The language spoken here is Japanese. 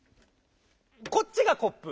こっちが「コップ」。